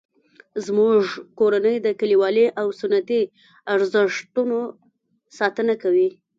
زموږ کورنۍ د کلیوالي او سنتي ارزښتونو ساتنه کوي